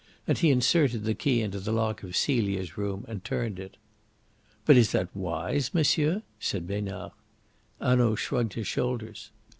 And he inserted the key into the lock of Celia's room and turned it. "But is that wise, monsieur?" said Besnard. Hanaud shrugged his shoulders.